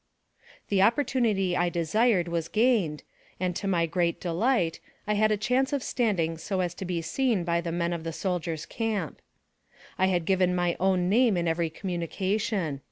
The opportunity I desired was gained, and to my great delight, I had a chance of standing so as to be seen by the men of the soldier's camp. I had given my own name in every communication.